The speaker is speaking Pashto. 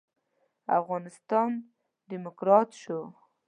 افغانستان ډيموکرات شو.